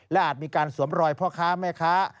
และอาจมีการสวมรอยพ่อค้าแม่ค้า